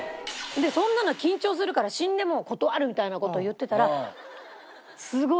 そんなの緊張するから死んでも断るみたいな事を言ってたら。